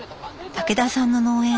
武田さんの農園